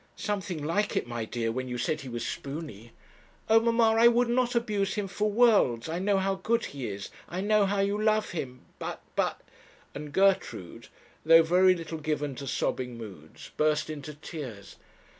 'Something like it, my dear, when you said he was spoony.' 'Oh, mamma, I would not abuse him for worlds I know how good he is, I know how you love him, but, but ' and Gertrude, though very little given to sobbing moods, burst into tears.